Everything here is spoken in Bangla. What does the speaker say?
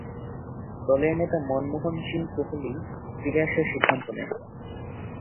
দলের নেতা মনমোহন সিং কোহলি ফিরে আসার সিদ্ধান্ত নেন।